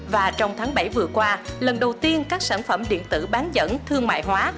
và trong tháng bảy vừa qua lần đầu tiên các sản phẩm điện tử bán dẫn thương mại hóa